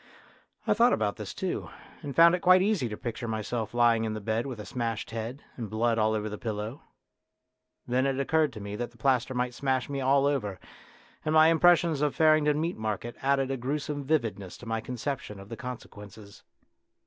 I thought about this too, and found it quite easy to picture myself lying in the bed with a smashed head, and blood all over the pillow. Then it occurred to me that the plaster might smash me all over, and my impressions of Farringdon Meat Market added a gruesome vividness to my conception of the conse quences.